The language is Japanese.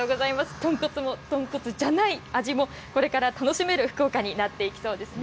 豚骨も、豚骨じゃない味も、これから楽しめる福岡になっていきそうですね。